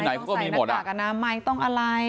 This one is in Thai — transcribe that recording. ต้องใส่หน้ากากอนามัยต้องอะไร